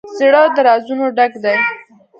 زړه د رازونو ډک دی.